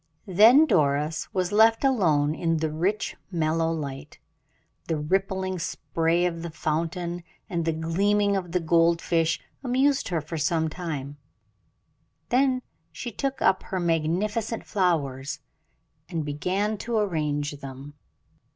Then Doris was left alone in the rich, mellow light. The rippling spray of the fountain and the gleaming of the gold fish amused her for some time: then she took up her magnificent flowers, and began to arrange them.